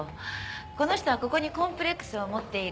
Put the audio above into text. この人はここにコンプレックスを持っている。